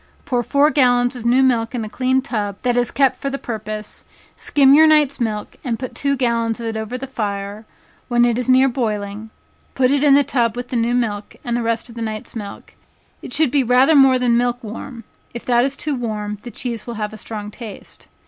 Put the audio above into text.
Put four gallons of new milk in a clean tub that is kept for the purpose; skim your night's milk, and put two gallons of it over the fire; when it is near boiling, put it in the tub with the new milk, and the rest of the night's milk; it should be rather more than milk warm, if it is too warm the cheese will have a strong taste.